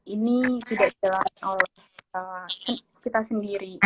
ini tidak dijalankan oleh kita sendiri